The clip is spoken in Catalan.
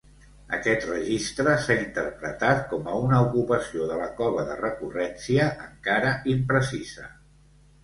Aquest registre s’ha interpretat com a una ocupació de la cova de recurrència encara imprecisa.